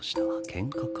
ケンカか？